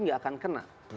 gak akan kena